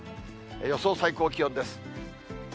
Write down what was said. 予想最高気温です。